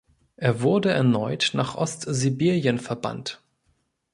Er wurde erneut nach Ostsibirien verbannt.